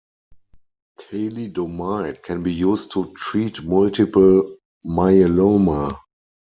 Thalidomide can be used to treat multiple myeloma.